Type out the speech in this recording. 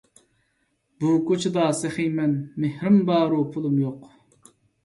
بۇ كۇچىدا سېخى مەن، مېھرىم بارۇ پۇلۇم يوق،